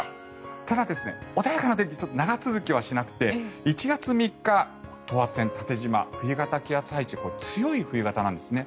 ただ、穏やかな天気長続きはしなくて１月３日、等圧線、縦じま冬型の気圧配置でこれは強い寒気なんですね。